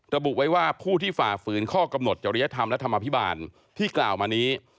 ระบุไว้ว่าผู้ที่ฝ่าฝืนข้อกำหนดจริยธรรมและธรรมภิบาลที่กล่าวมานี้